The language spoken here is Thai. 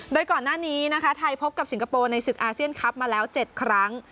โดยก่อนหน้านี้นะคะไทยพบกับสิงคโปร์ในศึกอาเซียนคลับมาแล้ว๗ครั้ง